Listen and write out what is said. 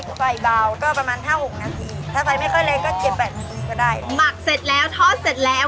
ไข่เบาก็ประมาณ๕๖นาทีถ้าไฟไม่ค่อยเล็กก็๗๘นาทีก็ได้หมักเสร็จแล้วทอดเสร็จแล้ว